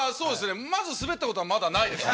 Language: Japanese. まずスベったことはまだないですね。